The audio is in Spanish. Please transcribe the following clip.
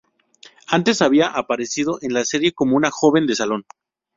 Antes había aparecido en la serie como una joven de salón.